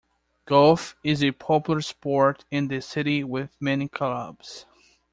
Golf is a popular sport in the city with many clubs.